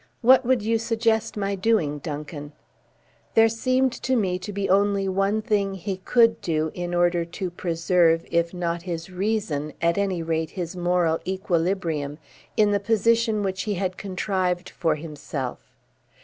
"What would you suggest my doing, Duncan?" There seemed to me to be only one thing he could do in order to preserve, if not his reason, at any rate his moral equilibrium in the position which he had contrived for himself.